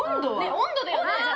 温度だよ！